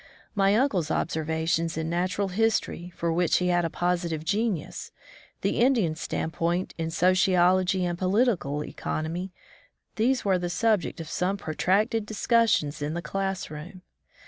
My imcle's observations in natural history, for which he had a positive genius, the Indian standpoint in sociology and political economy, these were the sub ject of some protracted discussions in the class room.